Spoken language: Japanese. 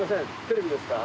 テレビですか？